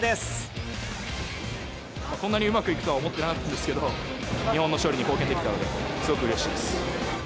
こんなにうまくいくとは思ってなかったんですけど、日本の勝利に貢献できたので、すごくうれしいです。